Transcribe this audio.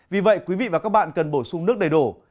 vì vậy quý vị và các bạn cần bổ sung nước đầy đủ